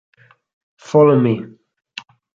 Fall on Me